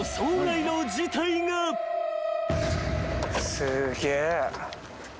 ・すげえ。